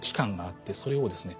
それをですね